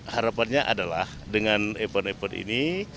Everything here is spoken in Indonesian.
harapannya adalah dengan event event ini